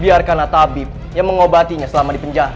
biarkan atabib yang mengobatinya selama di penjara